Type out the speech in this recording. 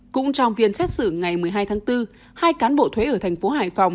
cũng trong viên xét xử ngày một mươi hai tháng bốn hai cán bộ thuế ở thành phố hải phòng